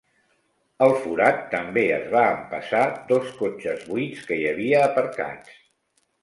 El forat també es va empassar dos cotxes buits que hi havia aparcats.